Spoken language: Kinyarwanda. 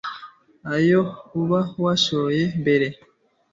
Ayo uba washoye mbere